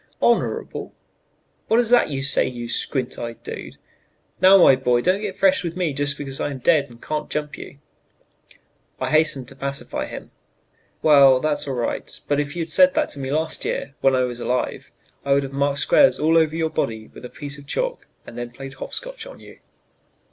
"Honorable? What is that you say, you squint eyed dude? Now, my boy, don't get fresh with me just because I am dead and can't jump you." I hastened to pacify him. "Well, that's all right, but if you had said that to me last year when I was alive I would have marked squares all over your body with a piece of chalk and then played hop scotch on you."